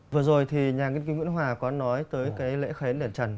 vừa rồi thì nhà nguyễn hoà có nói tới cái lễ khai ấn đền trần